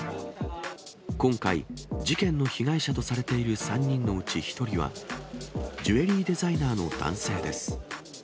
今回、事件の被害者とされている３人のうち１人は、ジュエリーデザイナーの男性です。